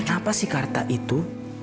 kenapa si karta itu